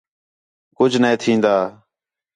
کُج نے تھین٘دا